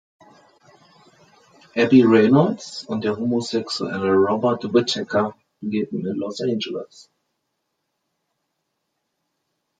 Abbie Reynolds und der homosexuelle Robert Whittaker leben in Los Angeles.